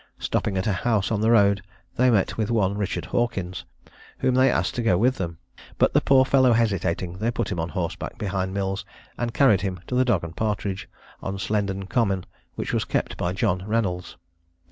Stopping at a house on the road, they met with one Richard Hawkins, whom they asked to go with them; but the poor fellow hesitating, they put him on horseback behind Mills, and carried him to the Dog and Partridge, on Slendon Common, which was kept by John Reynolds.